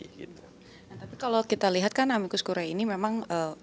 nah tapi kalau kita lihat kan amikus kure ini memang